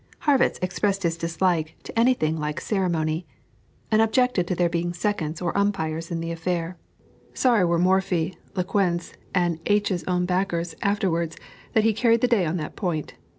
Harrwitz expressed his dislike to any thing like ceremony, and objected to their being seconds or umpires in the affair; sorry were Morphy, Lequesne, and H.'s own backers, afterwards, that he carried the day on that point.